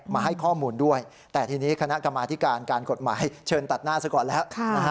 มาให้ข้อมูลด้วยแต่ทีนี้คณะกรรมาธิการการกฎหมายเชิญตัดหน้าซะก่อนแล้ว